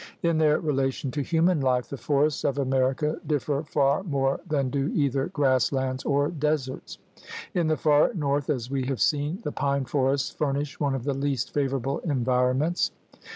In their relation to human life the forests of America differ far more than do either grass lands or deserts. In the far north, as we have seen, the pine forests furnish one of the least favorable en vironments.